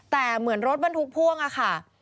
แต่เหมือนรถบรรทุกพ่วงอะค่ะ